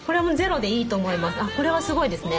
これはすごいですね。